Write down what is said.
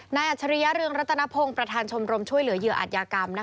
อัจฉริยะเรืองรัตนพงศ์ประธานชมรมช่วยเหลือเหยื่ออัตยากรรม